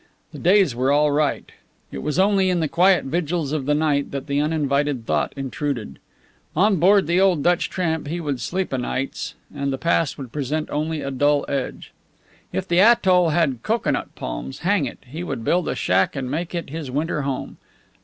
The days were all right. It was only in the quiet vigils of the night that the uninvited thought intruded. On board the old Dutch tramp he would sleep o'nights, and the past would present only a dull edge. If the atoll had cocoanut palms, hang it, he would build a shack and make it his winter home!